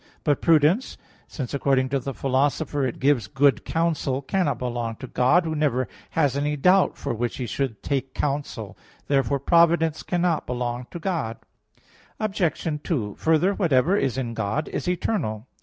But prudence, since, according to the Philosopher (Ethic. vi, 5, 9, 18), it gives good counsel, cannot belong to God, Who never has any doubt for which He should take counsel. Therefore providence cannot belong to God. Obj. 2: Further, whatever is in God, is eternal.